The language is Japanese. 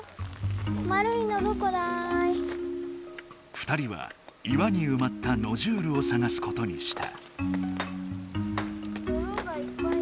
２人は岩にうまったノジュールをさがすことにした。